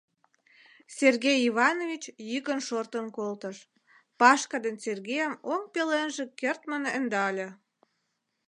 — Сергей Иванович йӱкын шортын колтыш, Пашка ден Сергейым оҥ пеленже кертмын ӧндале.